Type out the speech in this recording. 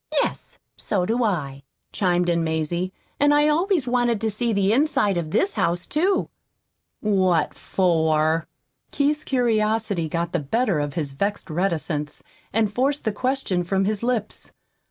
"Yes, so do I," chimed in Mazie. "And I always wanted to see the inside of this house, too." "What for?" Keith's curiosity got the better of his vexed reticence, and forced the question from his lips.